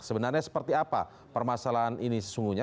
sebenarnya seperti apa permasalahan ini sesungguhnya